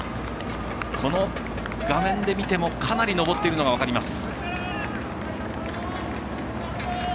この画面で見てもかなり上っているのが分かります。